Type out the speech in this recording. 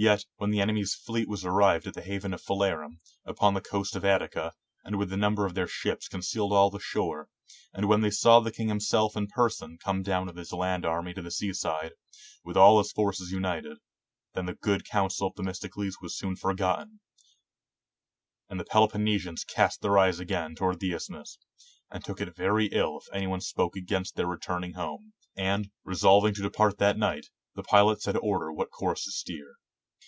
Yet, when the enemy's fleet was arrived at the haven of Phalerum, upon the coast of Attica, and with the number of their ships con cealed all the shore, and when they saw the king himself in person come down with his land army to the seaside, with all his forces united, then the^ good counsel of Themistocles was soon forgotten, and the Peloponne sians cast their eyes again towards the isthmus, and took it very ill if any one spoke against their returning home; and, resolving to depart that night, the pilots had order what course to steer.